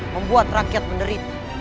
membuat rakyat menderita